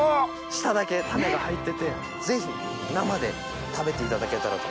下だけ種が入っててぜひ生で食べていただけたらと。